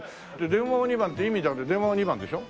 電話が２番って意味だって電話が２番でしょ？